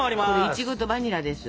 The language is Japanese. イチゴとバニラです。